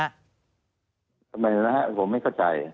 ทำไมนะครับผมไม่เข้าใจ